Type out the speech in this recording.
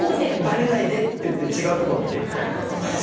「ばれないで」っていって違うとこ見てるタイプだと思います。